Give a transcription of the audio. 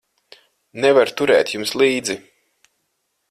Nevaru turēt jums līdzi.